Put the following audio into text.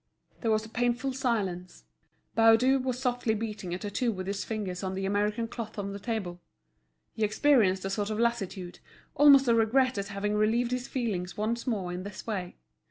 There was a painful silence. Baudu was softly beating a tattoo with his fingers on the American cloth on the table. He experienced a sort of lassitude, almost a regret at having relieved his feelings once more in this way.